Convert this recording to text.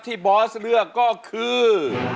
บอสเลือกก็คือ